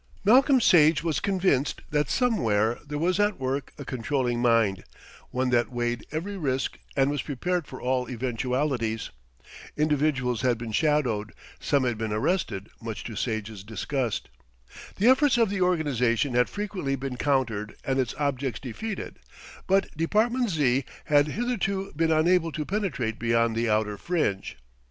Malcolm Sage was convinced that somewhere there was at work a controlling mind, one that weighed every risk and was prepared for all eventualities. Individuals had been shadowed, some had been arrested, much to Sage's disgust. The efforts of the organisation had frequently been countered and its objects defeated; but Department Z. had hitherto been unable to penetrate beyond the outer fringe.